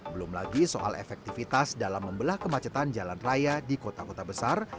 belum lagi soal efektivitas dalam membelah kemacetan jalan raya di kota kota besar